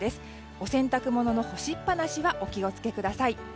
お洗濯物の干しっぱなしにはお気を付けください。